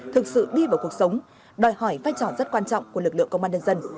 thực sự đi vào cuộc sống đòi hỏi vai trò rất quan trọng của lực lượng công an nhân dân